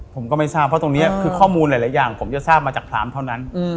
ผมก็ไม่ทราบเพราะตรงนี้คือข้อมูลหลายอย่างผมจะทราบมาจากพรามเท่านั้น